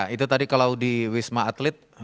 itu tadi kalau di wisma atlet